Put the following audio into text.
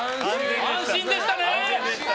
安心でしたね！